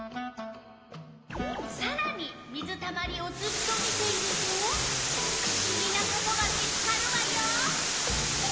さらに水たまりをずっと見ているとふしぎなことが見つかるわよ！